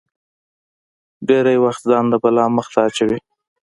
ډېری وخت ځان د بلا مخې ته اچوي.